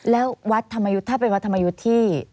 แล้ววัดธรรมยุทธ์ถ้าเป็นวัดธรรมยุทธ์ที่